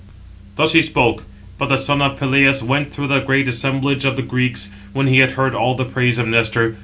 Thus he spoke; but the son of Peleus went through the great assemblage of the Greeks, when he had heard all the praise of Nestor.